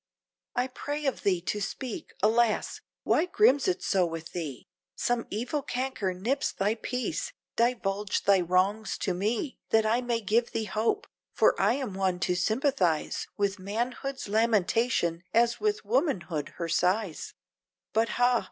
"I pray of thee to speak, alas! why grims it so with thee? Some evil canker nips thy peace, divulge thy wrongs to me, That I may give thee hope, for I am one to sympathize With manhood's lamentation, as with womanhood, her sighs, But ha!